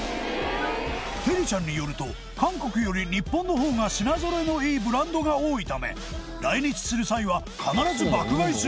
テリちゃんによると韓国より日本の方が品ぞろえのいいブランドが多いため来日する際は必ず爆買いするという